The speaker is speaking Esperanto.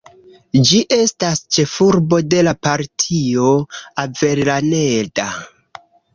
Ĝi estas ĉefurbo de la Partio Avellaneda.